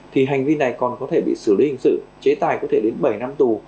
thì hành vi này còn có thể bị xử lý hình sự chế tài có thể đến bảy năm tù